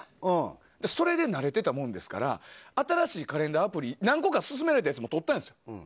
それで慣れてたもんですから新しいカレンダーアプリ何個か勧められてたやつとったんですよ。